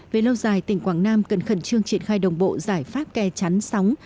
về lâu dài tỉnh quảng nam cần khẩn trương triển khai đồng bộ giải pháp kè chắn sóng